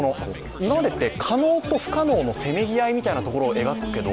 今までって可能と不可能とせめぎ合いみたいなところを書くけど、